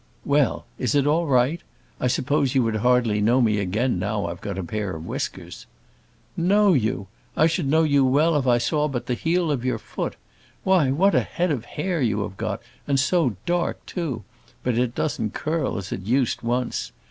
"Well. Is it all right? I suppose you would hardly know me again now I've got a pair of whiskers?" "Know you! I should know you well if I saw but the heel of your foot. Why, what a head of hair you have got, and so dark too! but it doesn't curl as it used once."